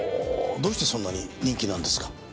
どうしてそんなに人気なんですか？